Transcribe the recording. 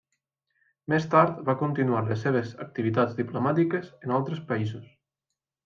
Més tard va continuar les seves activitats diplomàtiques en altres països.